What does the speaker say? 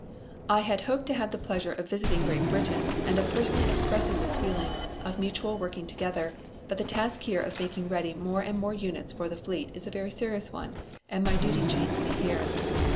I had hoped to have the pleasure of visiting Great Britain and of personally expressing this feeling of mutual working together, but the task here of making ready more and more units for the fleet is a very serious one, and my duty chains me here.